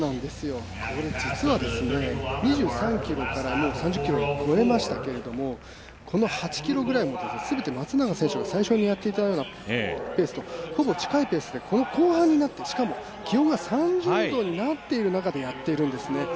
これ、実は２３ｋｍからのもう３０ｋｍ越えましたけどもこの８ｋｍまで全て松永選手が最初にやっていたようなほぼ近いペースでこの後半になってしかも気温が３０度になっている中でやっているんですね。